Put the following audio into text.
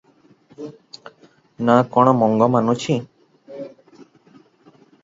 "ନାଆ କଣ ମଙ୍ଗ ମାନୁଛି ।